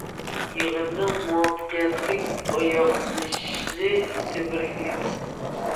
يىغىننىڭ مۇۋەپپەقىيەتلىك ئاياغلىشىشىنى تەبرىكلەيمەن.